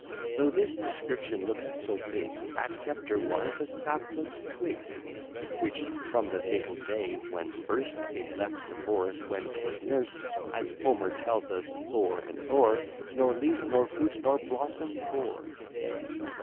Though this description looks so big, That sceptre was a sapless twig, Which, from the fatal day, when first It left the forest where 'twas nurs'd, As Homer tells us o'er and o'er, Nor leaf, nor fruit, nor blossom bore.